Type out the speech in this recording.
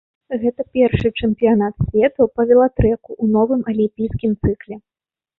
Гэта першы чэмпіянат свету па велатрэку ў новым алімпійскім цыкле.